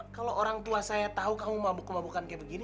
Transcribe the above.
kalau orang tua saya tahu kamu mabuk mabukan kayak begini